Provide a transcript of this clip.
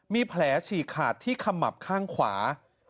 มีแผลฉีกขาดที่ขมับข้างขวา